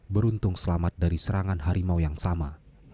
beruntung selamat dari serangan harimau yang sama